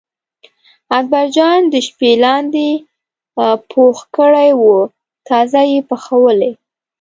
اکبرجان د شپې لاندی پوخ کړی و تازه یې پخولی.